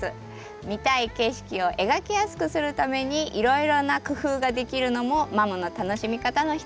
見たい景色を描きやすくするためにいろいろな工夫ができるのもマムの楽しみ方の一つです。